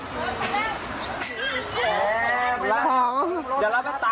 ของเดี๋ยวเราไปตามเขา